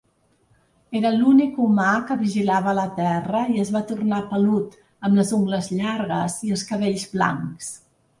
Era l'únic humà que vigilava la terra i es va tornar pelut, amb les ungles llargues i els cabells blancs.